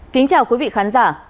kính chào quý vị khán giả